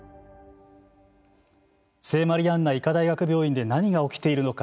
聖マリアンナ医科大学病院で何が起きているのか。